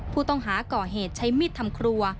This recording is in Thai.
ผู้ต้องหาก่อเหตุใช้มีดทำครัว